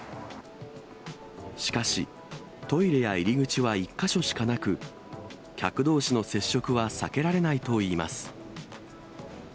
しかし、トイレや入り口は１か所しかなく、客どうしの接触は避けられないといいます。